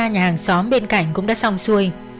nhà hàng xóm bên cạnh cũng đã song xuôi